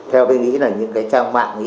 theo tôi nghĩ là những cái trang mạng